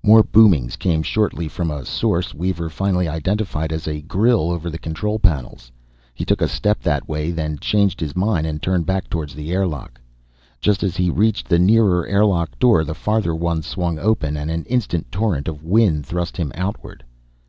More boomings came shortly from a source Weaver finally identified as a grille over the control panels. He took a step that way, then changed his mind and turned back toward the airlock. Just as he reached the nearer airlock door, the farther one swung open and an instant torrent of wind thrust him outward.